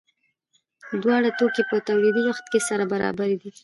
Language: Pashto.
دواړه توکي په تولیدي وخت کې سره برابر دي.